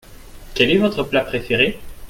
Quel est votre plat préféré ?